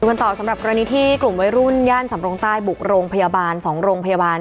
กันต่อสำหรับกรณีที่กลุ่มวัยรุ่นย่านสำรงใต้บุกโรงพยาบาล๒โรงพยาบาล